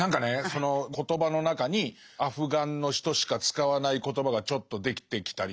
その言葉の中にアフガンの人しか使わない言葉がちょっと出てきたりとか。